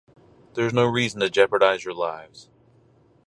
There’s no reason to jeopardize your lives.